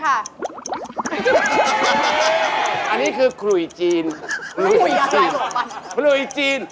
ฟีจริงคุยจีน